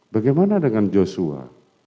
bagaimana dengan joshua